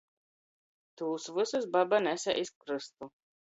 Tūs vysus baba nese iz krystu.